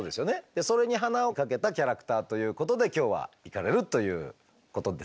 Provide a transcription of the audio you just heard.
それに鼻をかけたキャラクターということで今日はいかれるということですね？